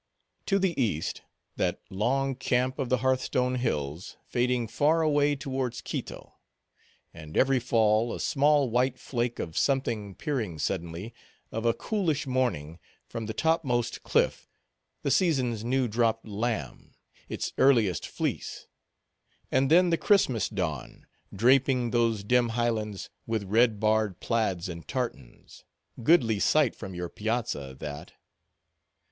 To the east, that long camp of the Hearth Stone Hills, fading far away towards Quito; and every fall, a small white flake of something peering suddenly, of a coolish morning, from the topmost cliff—the season's new dropped lamb, its earliest fleece; and then the Christmas dawn, draping those dim highlands with red barred plaids and tartans—goodly sight from your piazza, that.